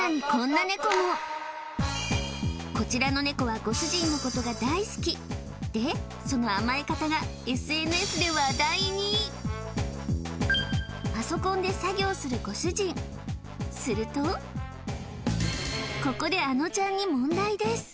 こちらのネコはご主人のことが大好きでその甘え方がＳＮＳで話題にパソコンで作業するご主人するとここであのちゃんに問題です